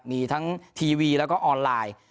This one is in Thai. มีทั้งทีวีแล้วก็ออนไลน์